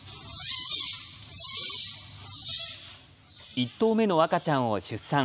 １頭目の赤ちゃんを出産。